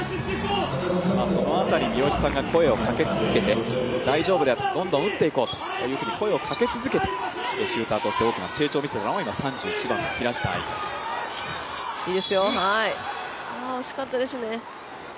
その辺り三好さんが声をかけ続けて大丈夫だよ、どんどん打っていこうというふうに声をかけ続けてシューターとして大きな成長を見せたのは惜しかったですね。